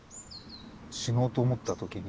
死のうと思った時に？